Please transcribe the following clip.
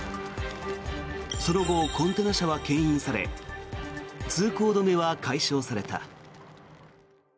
その後コンテナ車はけん引され通行止めは解消された。